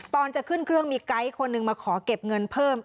ตอนจะขึ้นเครื่องมีไกด์คนหนึ่งมาขอเก็บเงินเพิ่ม